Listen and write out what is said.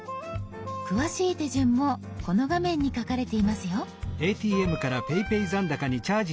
詳しい手順もこの画面に書かれていますよ。